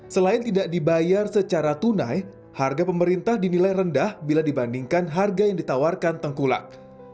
selain tidak dibayar secara tunai harga pemerintah dinilai rendah bila dibandingkan harga yang ditawarkan tengkulak